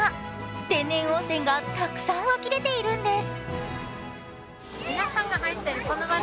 天然温泉がたくさん湧き出ているんです。